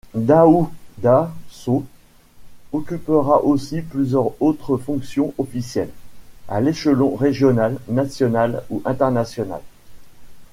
Daouda Sow occupera aussi plusieurs autres fonctions officielles, à l'échelon régional, national ou international.